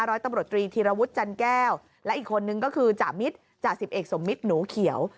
ร้อยตำรวจตรีธีรวุฒิจันแก้วและอีกคนนึงก็คือจ่ามิตรจ่าสิบเอกสมมิตรหนูเขียว